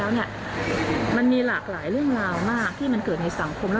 ว่าหมอคนนึงที่จบออกมา